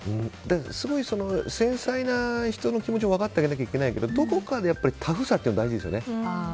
すごい繊細な人の気持ちは分かってあげなきゃいけないけどどこかでタフさも大事ですよね。